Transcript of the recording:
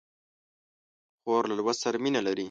خور له لوست سره مینه لري.